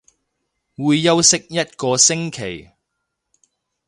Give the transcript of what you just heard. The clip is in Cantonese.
會休息一個星期